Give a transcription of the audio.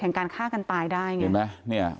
แห่งการฆ่ากันตายได้ไง